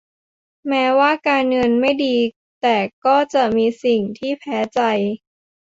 แม้ว่าการเงินไม่ดีแต่ก็จะมีสิ่งที่แพ้ใจ